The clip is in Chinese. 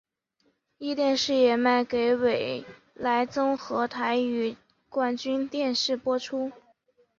壹电视也卖给纬来综合台与冠军电视播出。